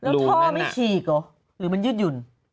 แล้วท่อไม่ฉีกเหรอหรือมันยืดหยุ่น